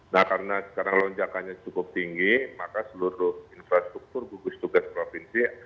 nah karena sekarang lonjakannya cukup tinggi maka seluruh infrastruktur gugus tugas provinsi